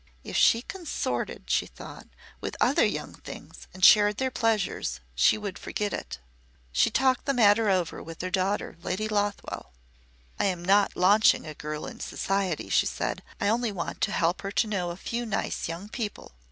"If she consorted," she thought, "with other young things and shared their pleasures she would forget it." She talked the matter over with her daughter, Lady Lothwell. "I am not launching a girl in society," she said, "I only want to help her to know a few nice young people.